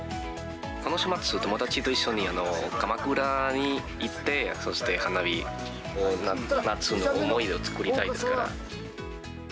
この週末、友達と一緒に鎌倉に行ってそして花火を、夏の思い出を作りたいですから。